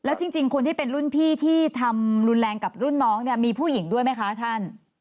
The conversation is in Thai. จริงคนที่เป็นรุ่นพี่ที่ทำรุนแรงกับรุ่นน้องเนี่ยมีผู้หญิงด้วยไหมคะท่าน